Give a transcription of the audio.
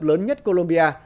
lớn nhất columbia